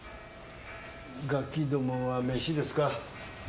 ガキどもは飯ですか。